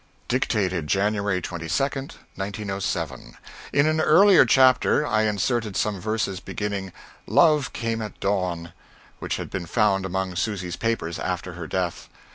[Dictated January 22, 1907.] In an earlier chapter I inserted some verses beginning "Love Came at Dawn" which had been found among Susy's papers after her death.